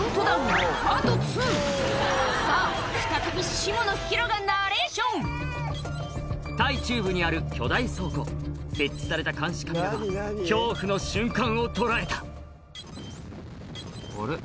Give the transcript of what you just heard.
さぁ再び下野紘がナレーションタイ中部にある巨大倉庫設置された監視カメラが恐怖の瞬間を捉えたあれ？